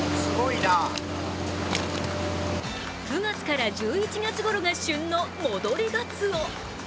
９月から１１月ごろが旬の戻りがつお。